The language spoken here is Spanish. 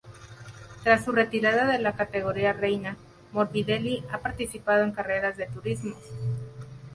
Tras su retirada de la categoría reina, Morbidelli ha participado en carreras de turismos.